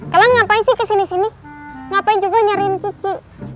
kalian ngapain sih kesini sini ngapain juga nyariin kuku